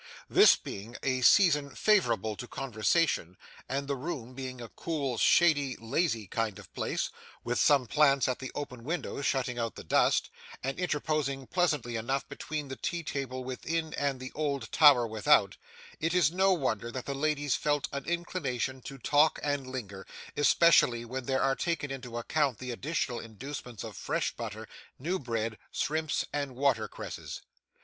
This being a season favourable to conversation, and the room being a cool, shady, lazy kind of place, with some plants at the open window shutting out the dust, and interposing pleasantly enough between the tea table within and the old Tower without, it is no wonder that the ladies felt an inclination to talk and linger, especially when there are taken into account the additional inducements of fresh butter, new bread, shrimps, and watercresses.